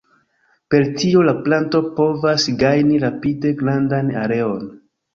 Per tio la planto povas gajni rapide grandan areon.